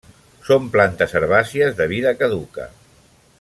Són plantes herbàcies de vida caduca.